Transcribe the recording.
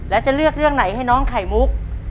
แล้วจะเลือกเรื่องไหนให้น้องไข่มุก